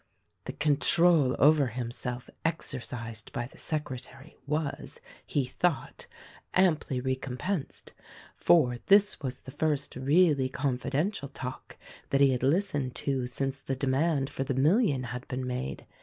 The control over himself exercised by the secretary was, he thought, amply recompensed, for this was the first really confidential talk that he had listened to since the demand for the million had been made.